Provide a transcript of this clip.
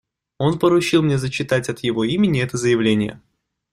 Он поручил мне зачитать от его имени это заявление.